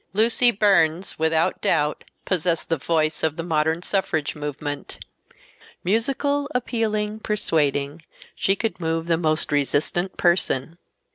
Lucy Burns without doubt possessed the "voice" of the modern suffrage movement. Musical, appealing, persuading—she could move the most resistant person.